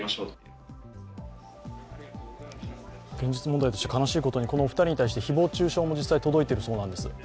現実問題として悲しいことにこのお二人に対して誹謗中傷も実際に届いているそうなんです。